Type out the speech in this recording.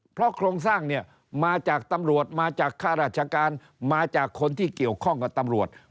เพราะโครงสร้างเนี่ยมาจากตำรวจมาจากข้าราชการมาจากคนที่เกี่ยวข้องกับตำรวจ